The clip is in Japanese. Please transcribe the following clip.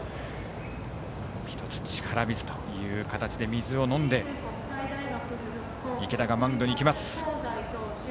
１つ力水という形で水を飲んで池田がマウンドに行きます。